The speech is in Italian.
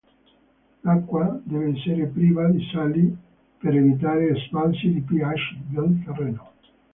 L'acqua deve essere priva di sali per evitare sbalzi di pH del terreno.